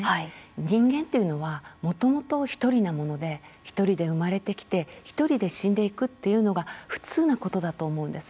人間というのはもともと、ひとりなものでひとりで生まれてきてひとりで死んでいくというのが普通のことだと思うんです。